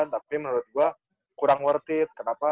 tapi menurut gue kurang worth it kenapa